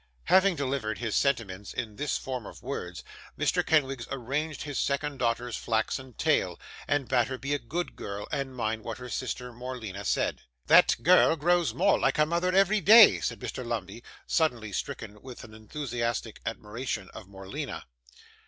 Having delivered his sentiments in this form of words, Mr. Kenwigs arranged his second daughter's flaxen tail, and bade her be a good girl and mind what her sister, Morleena, said. 'That girl grows more like her mother every day,' said Mr. Lumbey, suddenly stricken with an enthusiastic admiration of Morleena.